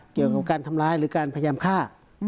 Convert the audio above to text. เกี่ยวกับการทำร้ายหรือการพยายามฆ่า